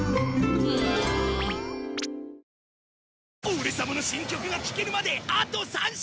オレ様の新曲が聴けるまであと３週！